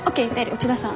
内田さん